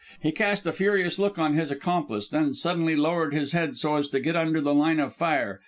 He cast a furious look on his accomplice then suddenly lowered his head so as to get under the line of fire.